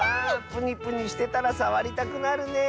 プニプニしてたらさわりたくなるね。